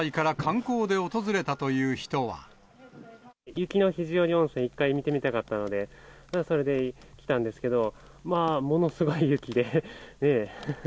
雪の肘折温泉、一回見てみたかったので、それで来たんですけど、まあ、ものすごい雪で。